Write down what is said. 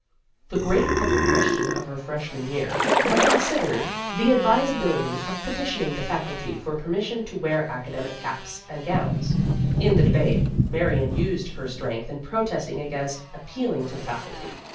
The great public question of her fresh man year had considered the advisability io8 Vassar Studies of petitioning the Faculty for permission to wear academic caps and gowns. In the debate, Marion used her strength in protesting against appealing to the Fac ulty.